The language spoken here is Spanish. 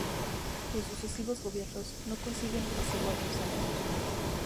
Los sucesivos gobiernos no consiguen apaciguar los ánimos.